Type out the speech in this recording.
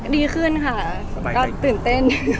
ดีขึ้นค่ะก็ตื่นเต้น